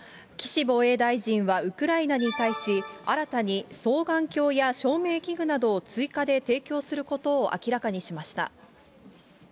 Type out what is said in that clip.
岸防衛大臣は、ウクライナに対し、新たに双眼鏡や照明器具などを追加で提供することを明らかにしました。